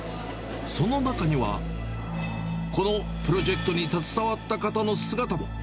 その中には、このプロジェクトに携わった方の姿も。